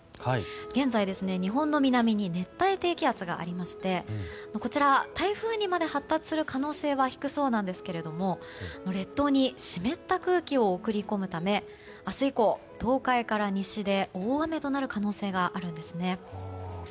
現在、日本の南に熱帯低気圧がありましてこちら台風にまで発達する可能性は低そうなんですけれども列島に湿った空気を送り込むため明日以降、東海から西で大雨となる可能性があるんです。